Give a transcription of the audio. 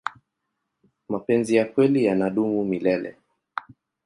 mapenzi ya kweli yanadumu milele